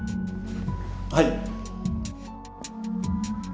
はい。